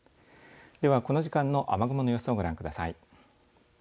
ではこの時間の雨雲の様子をご覧ください。